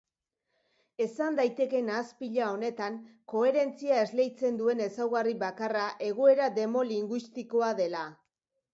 Esan daiteke nahaspila honetan koherentzia esleitzen duen ezaugarri bakarra egoera demolinguistikoa dela.